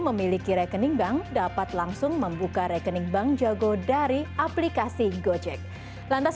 memiliki rekening bank dapat langsung membuka rekening bank jago dari aplikasi gojek lantas